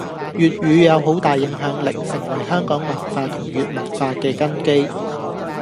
粵語有好大影響力，成為香港文化同粵文化嘅根基